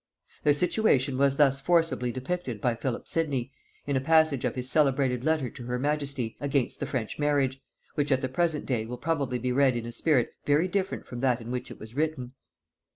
Their situation was thus forcibly depicted by Philip Sidney, in a passage of his celebrated letter to her majesty against the French marriage, which at the present day will probably be read in a spirit very different from that in which it was written.